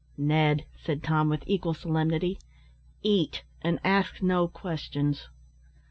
"Ned," said Tom, with equal solemnity, "eat, and ask no questions."